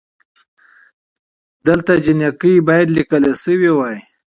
دلته جینکۍ بايد ليکل شوې وئ